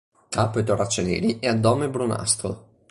Capo e torace neri e addome brunastro.